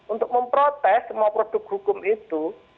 untuk memprotes semua produk hukum itu